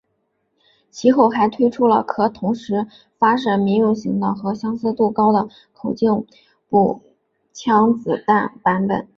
其后还推出了可同时发射民用型的和相似高的口径步枪子弹版本。